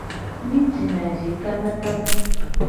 Mi jina vi kabakaba.